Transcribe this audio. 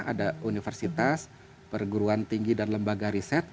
ada universitas perguruan tinggi dan lembaga riset